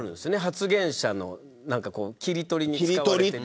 発言者の切り取りに使われて。